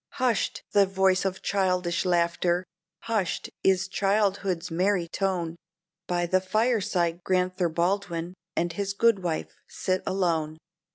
Hushed the voice of childish laughter, hushed is childhood's merry tone, By the fireside Grand'ther Baldwin and his good wife sit alone.